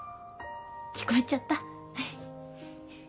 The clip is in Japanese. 聞こえちゃった。